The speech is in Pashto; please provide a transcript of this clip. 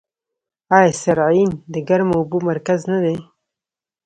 آیا سرعین د ګرمو اوبو مرکز نه دی؟